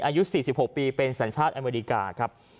อายุ๔๖ปีเป็นสัญชาติอเมริกาครับ